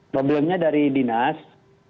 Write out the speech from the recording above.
problemnya dari dinas